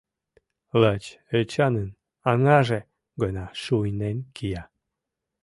Лач Эчанын аҥаже гына шуйнен кия.